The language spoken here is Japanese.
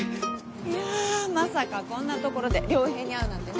いやまさかこんなところで良平に会うなんてね。